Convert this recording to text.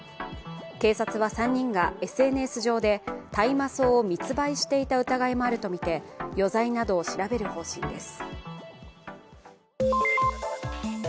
警察は３人がＳＮＳ上で大麻草を密売していた疑いもあるとみて、余罪などを調べる方針です。